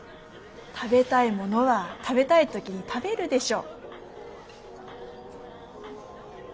食べたいものは食べたい時に食べるでしょ。